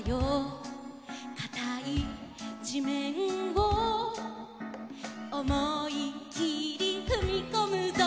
「かたいじめんをおもいきりふみこむぞ」